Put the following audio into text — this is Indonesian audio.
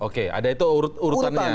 oke ada itu urutannya